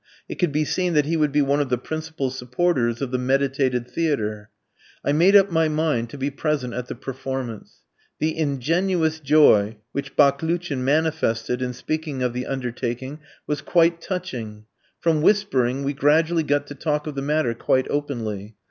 It could be seen that he would be one of the principal supporters of the meditated theatre. I made up my mind to be present at the performance. The ingenuous joy which Baklouchin manifested in speaking of the undertaking was quite touching. From whispering, we gradually got to talk of the matter quite openly.